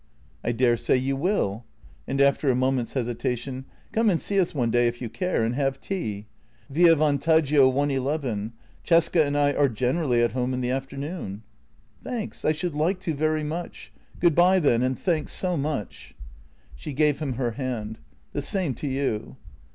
" I daresay you will "— and after a moment's hesitation: " Come and see us one day, if you care, and have tea. Via Vantaggio 111. Cesca and I are generally at home in the after noon." " Thanks, I should like to very much. Good bye, then, and thanks so much." She gave him her hand: " The same to you."